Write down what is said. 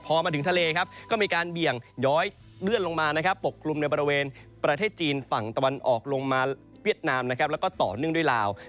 พอมาถึงทะเลครับก็มีการเบี่ยงย้อยเลื่อนลงมานะครับปกกลุ่มในบริเวณประเทศจีนฝั่งตะวันออกลงมาเวียดนามนะครับแล้วก็ต่อเนื่องด้วยลาว